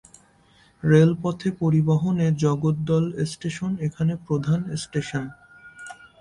Rail পথে পরিবহনে Jagaddal station এখানে প্রধান স্টেশন।